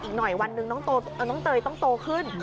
อีกหน่อยวันหนึ่งน้องเตยต้องโตขึ้น